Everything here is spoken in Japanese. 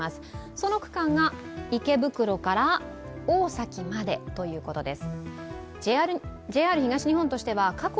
その区間が池袋から大崎までということです。